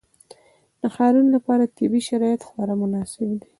د ښارونو لپاره طبیعي شرایط خورا مناسب دي.